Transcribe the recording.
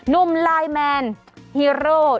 นุ่มไลน์แมนฮีโร่